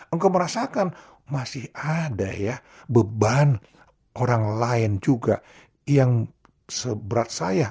engkau merasakan masih ada beban orang lain juga yang seberat saya